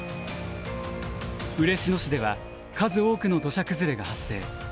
嬉野市では数多くの土砂崩れが発生。